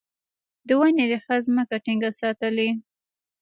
د ونې ریښه ځمکه ټینګه ساتي.